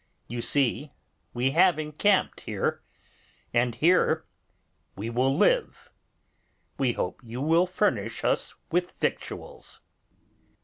You see we have encamped here, and here we will live. We hope you will furnish us with victuals.